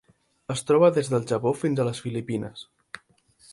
Es troba des del Japó fins a les Filipines.